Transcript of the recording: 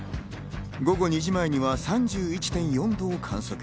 午後２時前には３１．４度を観測。